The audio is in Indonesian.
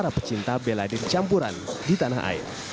para pecinta beladin campuran di tanah air